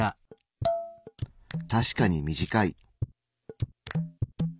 確かに短い。